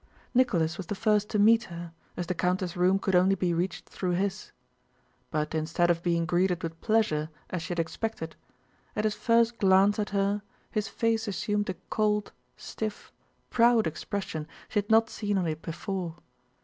Nicholas was the first to meet her, as the countess' room could only be reached through his. But instead of being greeted with pleasure as she had expected, at his first glance at her his face assumed a cold, stiff, proud expression she had not seen on it before.